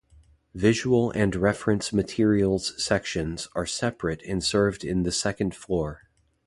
Visual and reference materials sections are separate and served in the second floor.